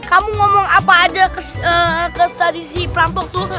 kamu ngomong apa aja ke tadi si perampok tuh